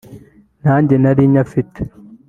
nanjye nari nyafite